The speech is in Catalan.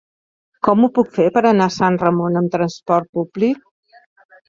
Com ho puc fer per anar a Sant Ramon amb trasport públic?